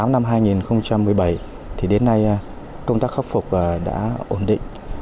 năm hai nghìn tám năm hai nghìn một mươi bảy thì đến nay công tác khắc phục đã ổn định